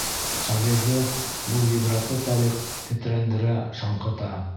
Шағирҙы был ғибрәтле тарих тетрәндерә, шаңҡыта.